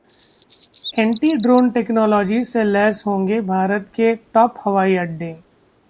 anti drone technology से लैस होंगे भारत के टॉप हवाई अड्डे